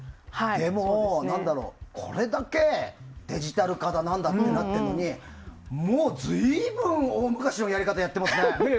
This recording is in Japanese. でも、これだけデジタル化だなんだってなってるのにもう随分、大昔のやり方やってますね。